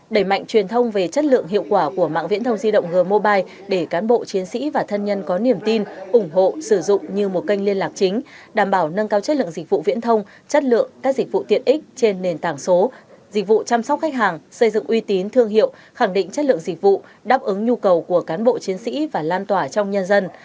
đẩy mạnh truyền thông về chất lượng hiệu quả của mạng viễn thông di động g mobile để cán bộ chiến sĩ và thân nhân có niềm tin ủng hộ sử dụng như một kênh liên lạc chính đảm bảo nâng cao chất lượng dịch vụ viễn thông chất lượng các dịch vụ tiện ích trên nền tảng số dịch vụ chăm sóc khách hàng xây dựng uy tín thương hiệu khẳng định chất lượng dịch vụ đáp ứng nhu cầu của cán bộ chiến sĩ và lan tỏa trong nhân dân